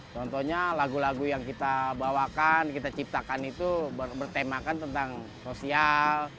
contohnya lagu lagu yang kita bawakan kita ciptakan itu bertemakan tentang sosial